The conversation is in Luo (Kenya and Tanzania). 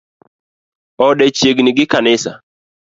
Ode chiegni gi kanisa